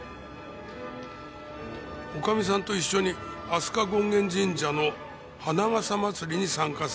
女将さんと一緒に飛鳥権現神社の花笠祭りに参加された方です。